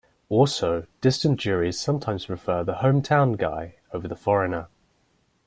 Also, distant juries sometimes prefer the "home-town" guy over the foreigner.